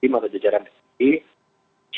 di mana jajaran tersebut